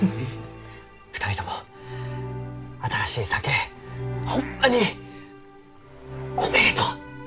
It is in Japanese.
２人とも新しい酒ホンマにおめでとう！